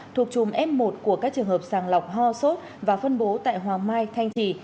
thuộc chùm f một của các trường hợp sàng lọc ho sốt và phân bố tại hoàng mai thanh trì